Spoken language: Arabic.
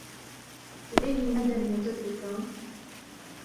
لأي مدى يمتد الكون؟